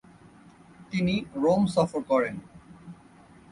তিনি রোম সফর করেন।